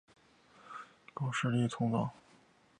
只有中间一段适合高解析通道。